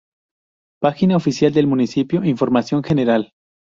Página oficial del municipio Información general